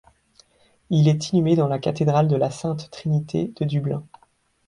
Il est inhumé dans la cathédrale de la Sainte-Trinité de Dublin.